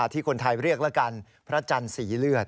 ที่คนไทยเรียกแล้วกันพระจันทร์สีเลือด